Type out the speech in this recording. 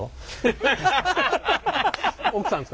奥さん。